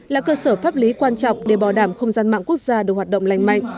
là cơ sở pháp lý quan trọng để bảo đảm không gian mạng quốc gia được hoạt động lành mạnh